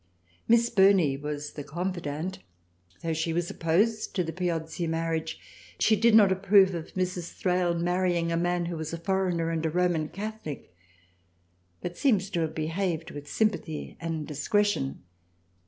Miss Burney was the " confidant " though she was opposed to the Piozzi marriage. She did not approve of Mrs. Thrale marrying a man who was a foreigner '^ and a Roman Catholic but seems to have behaved with sympathy and discretion.